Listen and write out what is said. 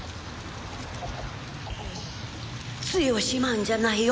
杖をしまうんじゃないよ